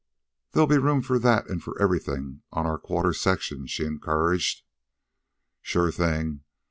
"There'll be room for that and for everything on a quarter section," she encouraged. "Sure thing.